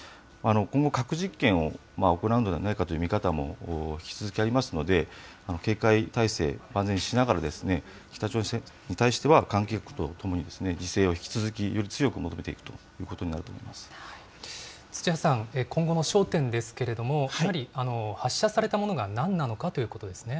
今後、核実験を行うのではないかという見方も引き続きありますので、警戒体制、万全にしながら、北朝鮮に対しては、関係国と共に自制を引き続きより強く求めていくということになる土屋さん、今後の焦点ですけれども、やはり発射されたものが何なのかということですね。